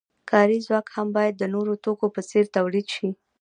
کاري ځواک هم باید د نورو توکو په څیر تولید شي.